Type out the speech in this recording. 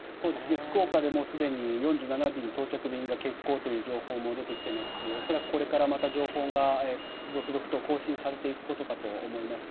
福岡でももうすでに４７便、到着便が欠航という情報も出てきていますし恐らく、これからまた情報が続々と更新されていくことかと思いますが。